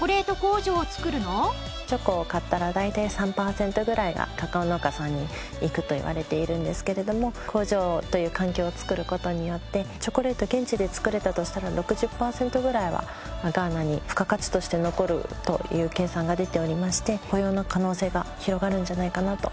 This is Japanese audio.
チョコを買ったら大体３パーセントぐらいがカカオ農家さんにいくといわれているんですけれども工場という環境を作る事によってチョコレートを現地で作れたとしたら６０パーセントぐらいはガーナに付加価値として残るという計算が出ておりまして雇用の可能性が広がるんじゃないかなと。